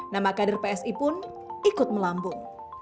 nama kader psi pun ikut melambung